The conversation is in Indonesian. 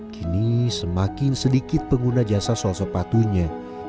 kini semakin sedikit pengguna jasa soal sepatunya